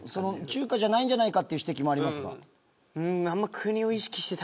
中華じゃないんじゃないかっていう指摘もありますが。